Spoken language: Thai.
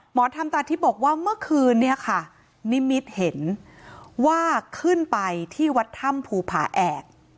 หมอธรรมตาทิพย์บอกว่าเมื่อคืนเนี่ยค่ะนิมิตเห็นว่าขึ้นไปที่วัดถ้ำภูผาแอก